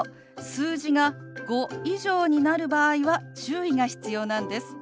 数字が５以上になる場合は注意が必要なんです。